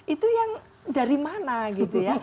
itu yang dari mana gitu ya